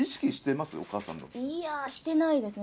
いやぁ、してないですね。